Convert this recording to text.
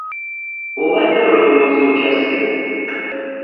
Obadde olowooza otya ssebo?